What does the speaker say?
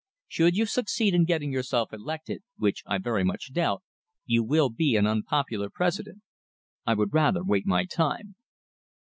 Should you succeed in getting yourself elected, which I very much doubt, you will be an unpopular President. I would rather wait my time."